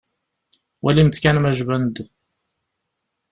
Walimt kan ma jban-d.